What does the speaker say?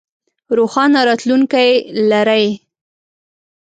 روښانه راتلوونکې لرئ